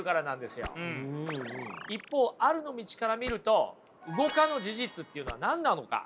一方あるの道から見ると動かぬ事実っていうのは何なのか？